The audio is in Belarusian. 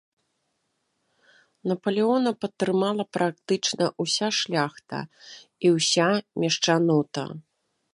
Напалеона падтрымала практычна ўся шляхта і ўся мешчанота.